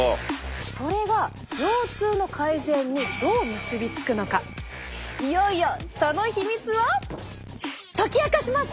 それが腰痛の改善にどう結びつくのかいよいよその秘密を解き明かします！